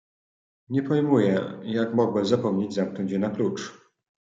"Nie pojmuję, jak mogłem zapomnieć zamknąć je na klucz."